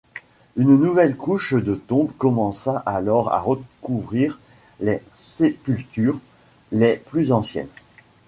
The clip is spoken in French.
Une nouvelle couche de tombes commença alors à recouvrir les sépultures les plus anciennes.